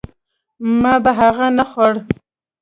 ما به هغه نه خوړ.